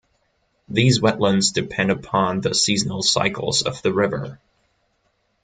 These wetlands depend upon the seasonal cycles of the river.